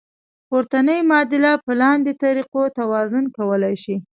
پورتنۍ معادله په لاندې طریقو توازن کولی شئ.